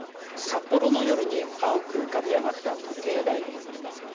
札幌の夜に青く浮かび上がった時計台。